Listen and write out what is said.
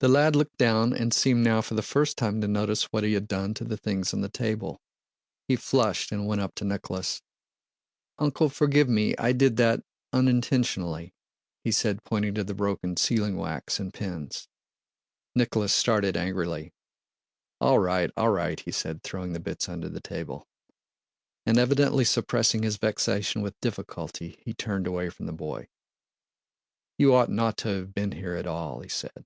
The lad looked down and seemed now for the first time to notice what he had done to the things on the table. He flushed and went up to Nicholas. "Uncle, forgive me, I did that... unintentionally," he said, pointing to the broken sealing wax and pens. Nicholas started angrily. "All right, all right," he said, throwing the bits under the table. And evidently suppressing his vexation with difficulty, he turned away from the boy. "You ought not to have been here at all," he said.